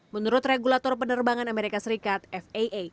menurut regulator penerbangan amerika serikat faa